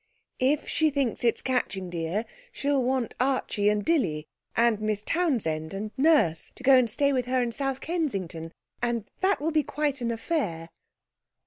'If she thinks it's catching, dear, she'll want Archie and Dilly, and Miss Townsend and Nurse to go and stay with her in South Kensington, and that will be quite an affair.'